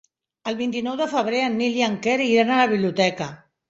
El vint-i-nou de febrer en Nil i en Quer iran a la biblioteca.